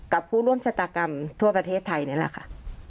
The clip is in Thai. ผู้ร่วมชะตากรรมทั่วประเทศไทยนี่แหละค่ะ